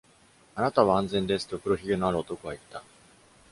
「あなたは安全です」と黒ひげのある男は言った。